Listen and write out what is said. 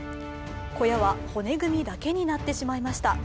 小屋は骨組みだけになってしまいました。